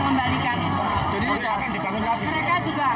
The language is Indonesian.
yang penting adalah ada keindikan baik mereka untuk membalikan